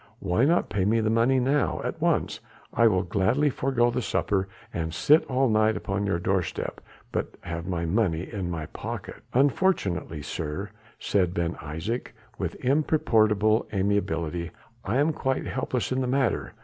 "Why not pay me the money now? at once, I will gladly forego the supper and sit all night upon your doorstep, but have my money in my pocket." "Unfortunately, sir," said Ben Isaje with imperturbable amiability, "I am quite helpless in the matter.